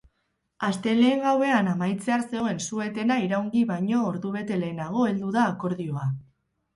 Astelehen gauean amaitzear zegoen su etena iraungi baino ordubete lehenago heldu da akordioa.